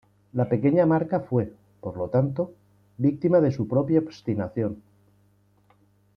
La pequeña marca fue, por lo tanto, víctima de su propia obstinación.